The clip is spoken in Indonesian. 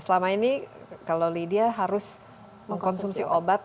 selama ini kalau lydia harus mengkonsumsi obat